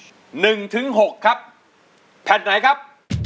อินโทรเพลงที่๓มูลค่า๔๐๐๐๐บาทมาเลยครับ